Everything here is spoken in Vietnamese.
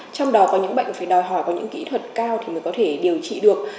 trong đó có những bệnh phải đòi hỏi có những kỹ thuật cao thì mới có thể điều trị được